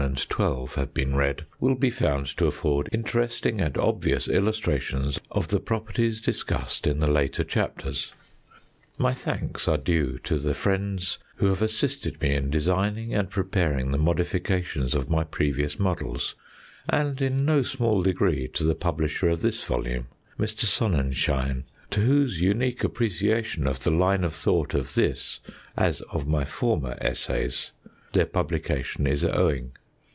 and XII. have been read, will be found to afford interesting and obvious illustrations of the properties discussed in the later chapters. My thanks are due to the friends who have assisted me in designing and preparing the modifications of my previous models, and in no small degree to the publisher of this volume, Mr. Sonnenschein, to whose unique appreciation of the line of thought of this, as of my former essays, their publication is owing.